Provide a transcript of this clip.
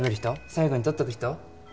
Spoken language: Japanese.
最後にとっとく人？